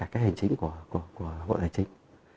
cái hành chính của bộ tài chính